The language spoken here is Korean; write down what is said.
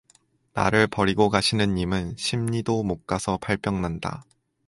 나를 버리고 가시는 님은 십리도 못가서 발병난다.